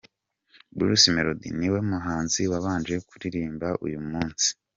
Bruce Melody niwe muhanzi wabanje kuririmba uyu munsi